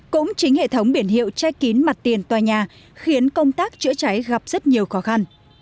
cũng chính hệ thống biển hiệu che kín mặt tiền tòa nhà khiến công tác chữa cháy gặp rất nhiều khó khăn